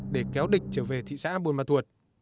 để kéo địch trở về thị xã buôn ma thuột